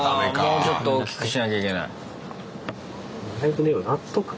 もうちょっと大きくしなきゃいけない。